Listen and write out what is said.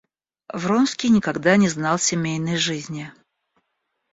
Вронский никогда не знал семейной жизни.